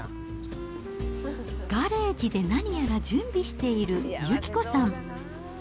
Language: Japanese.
ガレージで何やら準備している幸子さん。